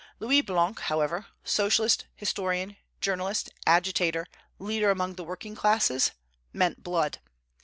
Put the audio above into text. Louis Blanc, however, socialist, historian, journalist, agitator, leader among the working classes, meant blood.